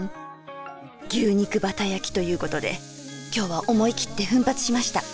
「牛肉バタ焼き」ということで今日は思いきって奮発しました。